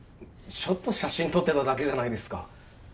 ちょっと写真撮ってただけじゃないですか。